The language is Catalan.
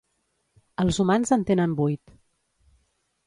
Els humans en tenen vuit.